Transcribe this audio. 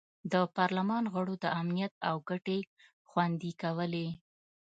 د پارلمان غړو د امنیت او ګټې خوندي کولې.